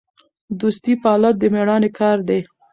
دوستي پالل د میړانې کار دی.